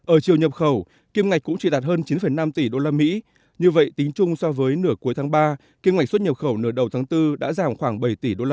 ở chiều nhập khẩu kim ngạch cũng chỉ đạt hơn chín năm tỷ usd như vậy tính chung so với nửa cuối tháng ba kim ngạch xuất nhập khẩu nửa đầu tháng bốn đã giảm khoảng bảy tỷ usd